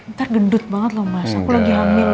ntar gendut banget loh mas aku lagi hamil